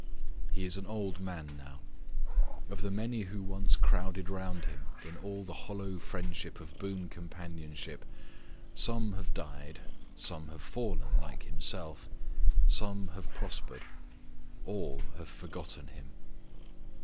He is an old man now. Of the many who once crowded round him in all the hollow friendship of boon companionship, some have died, some have fallen like himself, some have prospered all have for gotten him.